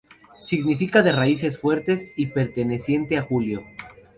Significa "de raíces fuertes" y "perteneciente a Julio".